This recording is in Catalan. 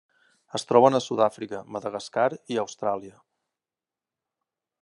Es troben a Sud-àfrica, Madagascar i Austràlia.